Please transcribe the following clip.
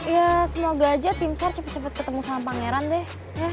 ya semoga aja timsar cepet cepet ketemu sama pangeran deh